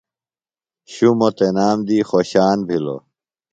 شُمو تنام دیۡ خوشان بھِلوۡ۔